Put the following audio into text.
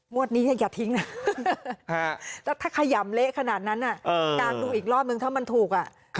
นี้อย่าทิ้งนะถ้าขยำเละขนาดนั้นกางดูอีกรอบนึงถ้ามันถูก